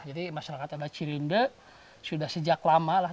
jadi masyarakat ada cirinde sudah sejak lama